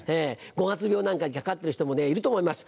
五月病なんかにかかってる人もいると思います。